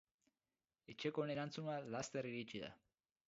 Etxekoen erantzuna laster iritsi da.